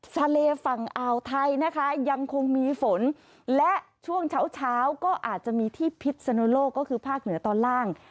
ฝั่งอ่าวไทยนะคะยังคงมีฝนและช่วงเช้าเช้าก็อาจจะมีที่พิษสนุโลกก็คือภาคเหนือตอนล่าง